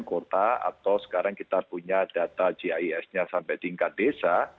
kota atau sekarang kita punya data gis nya sampai tingkat desa